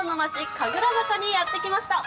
神楽坂にやって来ました。